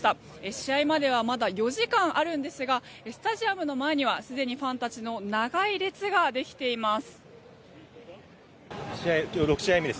試合まではまだ４時間あるんですがスタジアムの前にはすでにファンたちの長い列ができています。